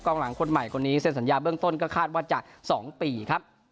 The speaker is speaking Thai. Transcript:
หลังคนใหม่คนนี้เซ็นสัญญาเบื้องต้นก็คาดว่าจะ๒ปีครับ